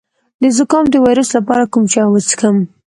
د زکام د ویروس لپاره کوم چای وڅښم؟